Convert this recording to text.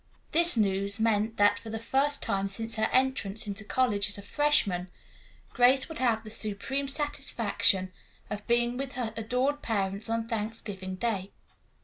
This news meant that, for the first time since her entrance into college as a freshman, Grace would have the supreme satisfaction of being with her adored parents on Thanksgiving Day.